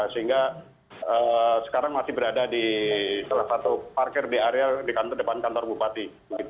sehingga sekarang masih berada di salah satu parkir di areal di depan kantor bupati